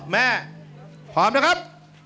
แม่พร้อมนะครับ